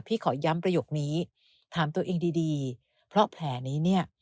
ขอย้ำประโยคนี้ถามตัวเองดีดีเพราะแผลนี้เนี่ย